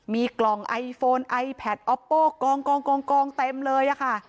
มีกล่องไอโฟนไอแพดอัปโป้กล่องกล่องกล่องกล่องเต็มเลยอ่ะค่ะ